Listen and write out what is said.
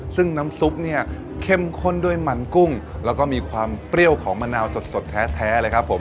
ซึ่งน้ำซุปเนี่ยเข้มข้นด้วยมันกุ้งแล้วก็มีความเปรี้ยวของมะนาวสดแท้เลยครับผม